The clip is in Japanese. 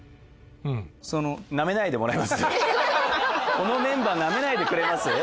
このメンバーなめないでくれます？